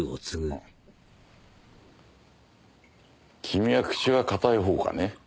君は口は堅いほうかね？